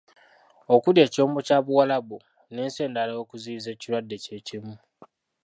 Okuli; Ekyombo kya Buwarabu, n'ensi endala okuziyiza ekirwadde kye kimu.